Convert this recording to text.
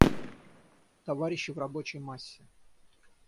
Товарищи в рабочей массе.